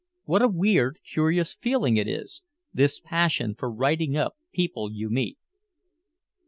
What a weird, curious feeling it is, this passion for writing up people you meet.